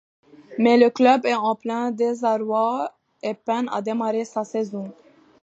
Mais le club est en plein désarroi, et peine à démarrer sa saison.